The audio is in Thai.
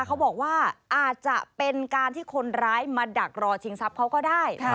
เขาบอกว่าอาจจะเป็นการที่คนร้ายมาดักรอชิงทรัพย์เขาก็ได้